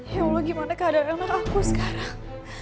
ya allah gimana keadaan anak aku sekarang